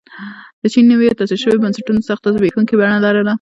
د چین نویو تاسیس شویو بنسټونو سخته زبېښونکې بڼه لرله.